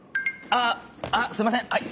あっすいません！